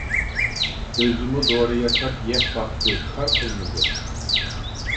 ئۆزىمۇ دورا ياساپ يەپ باقتى كار قىلمىدى.